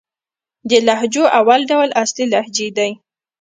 د لهجو اول ډول اصلي لهجې دئ.